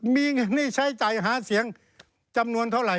มีใช้ใจหาเสียงจำนวนเท่าไหร่